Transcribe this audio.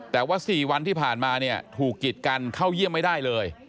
แต่ว่า๔วันที่ผ่านมาเนี่ยถูกกิดกันเข้าเยี่ยมไม่ได้เลย